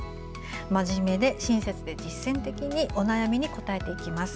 真面目で親切で実践的にお悩みに答えていきます。